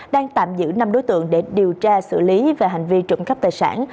đã tạm giữ năm đối tượng để điều tra xử lý về hành vi trụng cấp tài sản